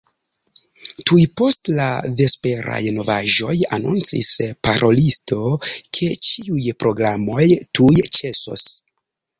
Tuj post la vesperaj novaĵoj anoncis parolisto, ke ĉiuj programoj tuj ĉesos.